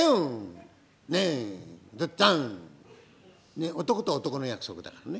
ねえ男と男の約束だからね！